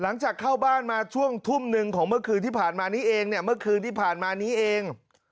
หลังจากเข้าบ้านมาช่วงทุ่มหนึ่งของเมื่อคืนที่ผ่านมานี้เองเนี่ยเมื่อคืนที่ผ่านมานี้เอง